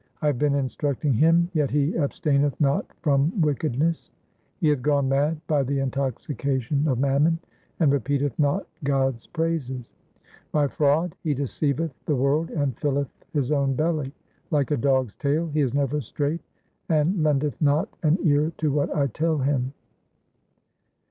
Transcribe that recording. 1 have been instructing him, yet he abstaineth not from wickedness ; He hath gone mad by the intoxication of mammon, and repeateth not God's praises ; By fraud he deceiveth the world and filleth his own belly ; Like a dog's tail he is never straight, and lendeth not an ear to what I tell him.